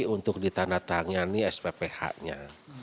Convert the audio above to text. untuk ditandatangani spph nya